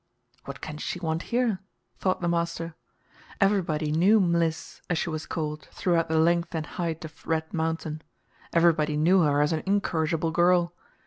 "What can she want here?" thought the master. Everybody knew "Mliss," as she was called, throughout the length and height of Red Mountain. Everybody knew her as an incorrigible girl.